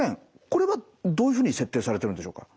これはどういうふうに設定されてるんでしょうか？